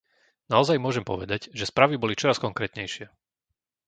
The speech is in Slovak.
Naozaj môžem povedať, že správy boli čoraz konkrétnejšie.